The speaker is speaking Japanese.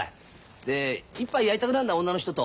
で一杯やりたくなるんだ女の人と。